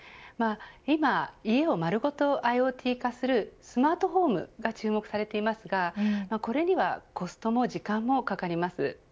今、家を丸ごとＩｏＴ化するスマートホームが注目されていますがこれにはコストも時間もかかります。